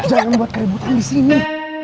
jangan membuat keributan di sini